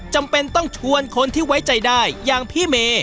จำเป็นต้องชวนคนที่ไว้ใจได้อย่างพี่เมย์